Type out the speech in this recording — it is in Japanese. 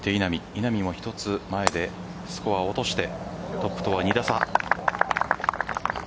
稲見も１つ前でスコアを落としてトップとは２打差。